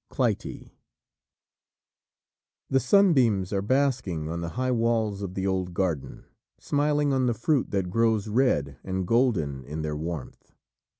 CLYTIE The sunbeams are basking on the high walls of the old garden smiling on the fruit that grows red and golden in their warmth.